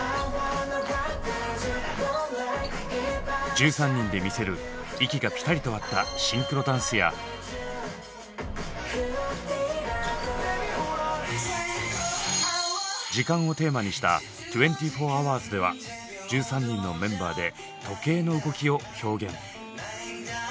１３人で魅せる息がピタリと合ったシンクロダンスや時間をテーマにした「２４Ｈ」では１３人のメンバーで時計の動きを表現。